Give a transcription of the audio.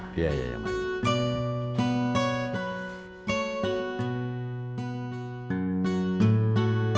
biar ayah yang main